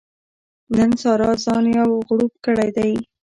نن سارا ځان یو غړوپ کړی دی.